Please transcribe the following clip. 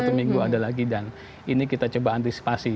satu minggu ada lagi dan ini kita coba antisipasi